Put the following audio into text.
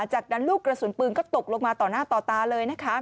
จากนั้นลูกกระสุนปืนก็ตกลงมาต่อหน้าต่อตาเลยนะคะ